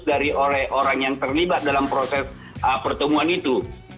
dari orang yang terlibat dalam proses pertemuan itu